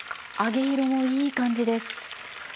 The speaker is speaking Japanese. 揚げ色もいい感じです。